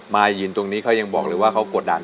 มายืนตรงนี้เขายังบอกเลยว่าเขากดดัน